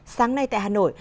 sáng nay tại hà nội